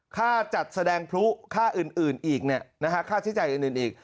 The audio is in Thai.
ค่าจัดแสดงพลุค่าอื่นอีกค่าใช้จ่ายอื่นอีก